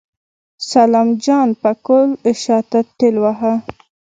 سلام جان پکول شاته ټېلوهه.